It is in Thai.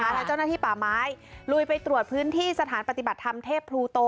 และเจ้าหน้าที่ป่าไม้ลุยไปตรวจพื้นที่สถานปฏิบัติธรรมเทพพลูโต